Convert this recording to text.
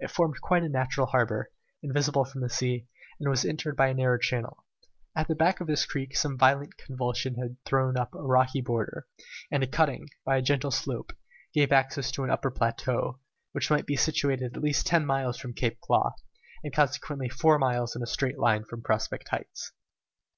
It formed quite a natural harbour, invisible from the sea, and was entered by a narrow channel. At the back of this creek some violent convulsion had torn up the rocky border, and a cutting, by a gentle slope, gave access to an upper plateau, which might be situated at least ten miles from Claw Cape, and consequently four miles in a straight line from Prospect Heights.